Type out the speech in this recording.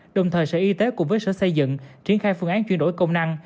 đồng thời sở y tế cùng với sở xây dựng triển khai phương án chuyển đổi công năng